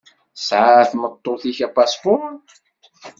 Tesεa tmeṭṭut-ik apaspuṛ?